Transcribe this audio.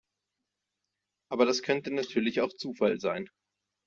Aber das könnte natürlich auch Zufall sein.